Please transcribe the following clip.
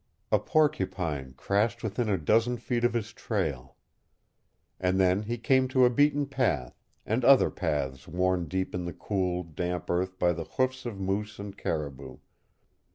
A porcupine crashed within a dozen feet of his trail. And then he came to a beaten path, and other paths worn deep in the cool, damp earth by the hoofs of moose and caribou.